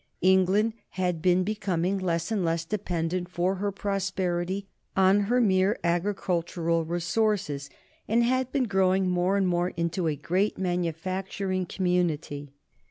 England had been becoming less and less dependent for her prosperity on her mere agricultural resources, and had been growing more and more into a great manufacturing community.